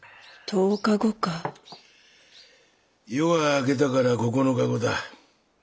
夜が明けたから９日後だ。